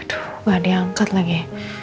aduh gak diangkat lagi